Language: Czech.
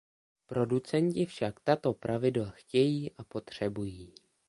Producenti však tato pravidla chtějí a potřebují.